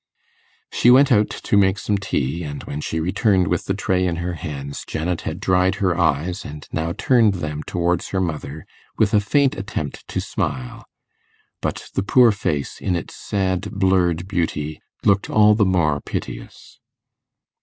She went out to make some tea, and when she returned with the tray in her hands, Janet had dried her eyes and now turned them towards her mother with a faint attempt to smile; but the poor face, in its sad blurred beauty, looked all the more piteous.